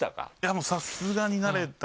もうさすがに慣れた。